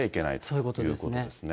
そういうことですね。